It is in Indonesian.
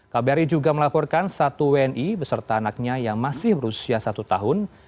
kbri juga melaporkan satu wni beserta anaknya yang masih berusia satu tahun